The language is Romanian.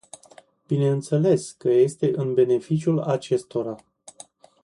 Bineînțeles că este în beneficiul acestora.